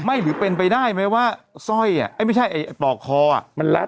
ไม่หรือเป็นไปได้ไหมว่าสร้อยอ่ะไม่ใช่ปอกคออ่ะ